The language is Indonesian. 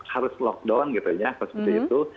harus lockdown gitu ya kalau seperti itu